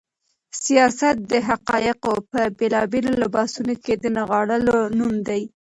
سياست د حقايقو په بېلابېلو لباسونو کې د نغاړلو نوم دی.